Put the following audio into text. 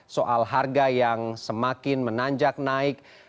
soal harga yang semakin menanjak naik